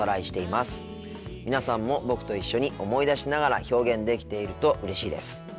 皆さんも僕と一緒に思い出しながら表現できているとうれしいです。